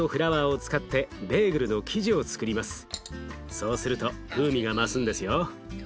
そうすると風味が増すんですよ。